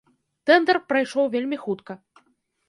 Тэндар прайшоў вельмі хутка.